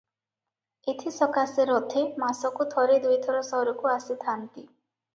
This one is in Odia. ଏଥି ସକାଶେ ରଥେ ମାସକୁ ଥରେ ଦୁଇ ଥର ସହରକୁ ଆସି ଥାଆନ୍ତି ।